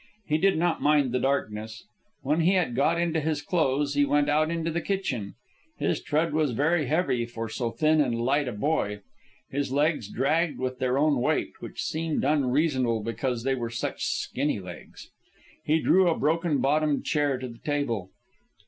He did not mind the darkness. When he had got into his clothes, he went out into the kitchen. His tread was very heavy for so thin and light a boy. His legs dragged with their own weight, which seemed unreasonable because they were such skinny legs. He drew a broken bottomed chair to the table.